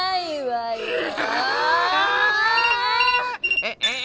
えええっ